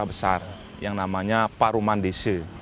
kita melakukan musyawarat besar yang namanya paruman desa